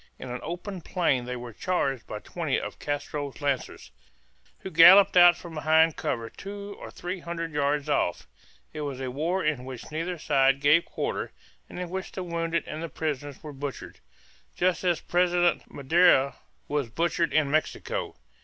In an open plain they were charged by twenty of Castro's lancers, who galloped out from behind cover two or three hundred yards off. It was a war in which neither side gave quarter and in which the wounded and the prisoners were butchered just as President Madero was butchered in Mexico.